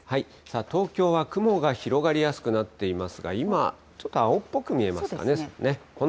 東京は雲が広がりやすくなっていますが、今、ちょっと青っぽく見えますかね、外。